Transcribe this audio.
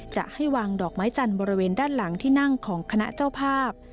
จะให้วางดอกไม้จันทร์บริเวณด้านหลังที่นั่งของคณะเจ้าภาพ